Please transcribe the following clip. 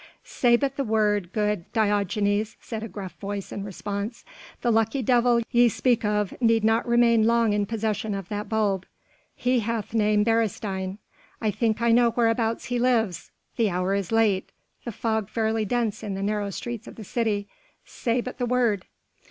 "Say but the word, good Diogenes," said a gruff voice in response, "the lucky devil ye speak of need not remain long in possession of that bulb. He hath name Beresteyn.... I think I know whereabouts he lives ... the hour is late ... the fog fairly dense in the narrow streets of the city ... say but the word...."